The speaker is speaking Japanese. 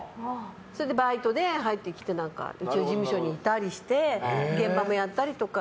それで、バイトで入ってきてうちの事務所にいたりして現場もやったりとか。